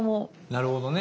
なるほどね。